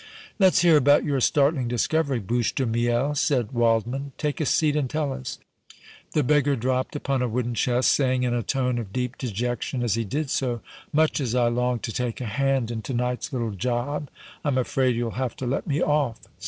"Let's hear about your startling discovery, Bouche de Miel," said Waldmann. "Take a seat and tell us." The beggar dropped upon a wooden chest, saying, in a tone of deep dejection, as he did so: "Much as I long to take a hand in to night's little job, I'm afraid you'll have to let me off!"